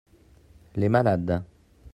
les malades.